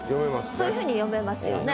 そういうふうに読めますよね。